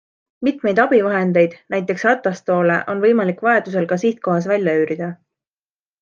Mitmeid abivahendeid, näiteks ratastoole on võimalik vajadusel ka sihtkohas välja üürida.